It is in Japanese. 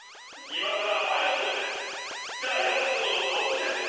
今更パイロットってじゃあ、今の仕事どうすんねんって。